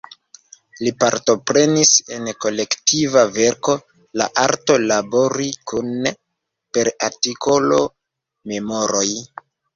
Li partoprenis en kolektiva verko "La arto labori kune" per artikolo "Memoroj".